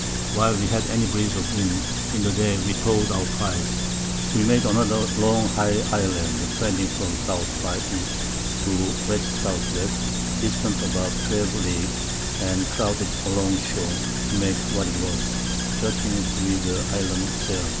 While we had any Breeze of Wind, in the Day we towed our Prize. We made another long high Island trending from S. by E. to W.S.W. distant about 12 Leagues, and crowded along Shore to make what it was, judging it to be the Island Ceram.